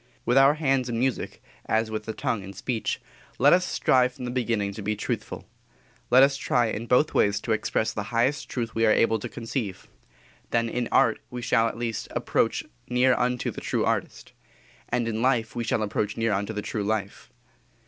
With our hands in music, as with the tongue in speech, let us strive from the beginning to be truthful. Let us try in both ways to express the highest truth we are able to conceive. Then in art we shall, at least, approach near unto the true artist; and in life we shall approach near unto the true life.